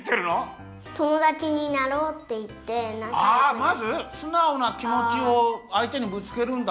まずすなおなきもちをあいてにぶつけるんだ。